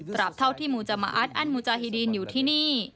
เท่าที่มูจะมาอัดอั้นมูจาฮิดีนอยู่ที่นี่